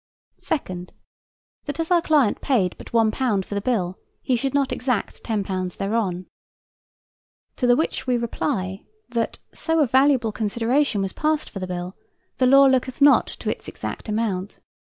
Second, That, as our client paid but £1 for the bill, he should not exact £10 thereon. To the which we reply, that, so a valuable consideration was passed for the bill, the law looketh not to its exact amount.